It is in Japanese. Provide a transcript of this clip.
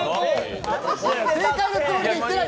正解のつもりで言ってない。